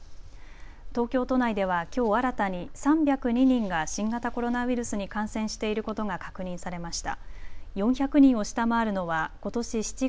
東京都内ではきょう新たに３０２人が新型コロナウイルスに感染していることが確認されました。